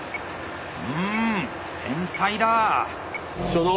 うん繊細だ。